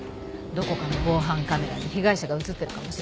どこかの防犯カメラに被害者が映ってるかもしれない。